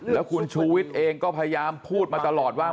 แล้วคุณชูวิทย์เองก็พยายามพูดมาตลอดว่า